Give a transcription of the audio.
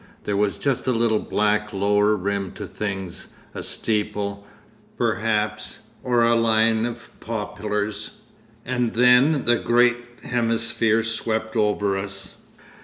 There was just a little black lower rim to things, a steeple, perhaps, or a line of poplars, and then the great hemisphere swept over us.